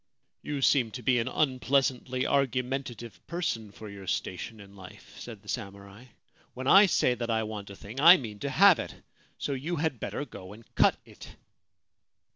' You seem to be an unpleasantly argumentative person for your station in life,' said the samurai. * When I say that I want a thing I mean to have it : so you had better go and cut it.'